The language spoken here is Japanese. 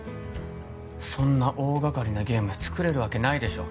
そんな大掛かりなゲーム作れるわけないでしょ